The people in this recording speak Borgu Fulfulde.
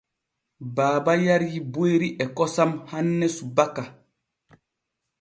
Baaba yarii boyri e kosom hanne subaka.